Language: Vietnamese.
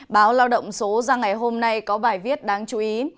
báo lao động số ra ngày hôm nay có bài viết đáng chú ý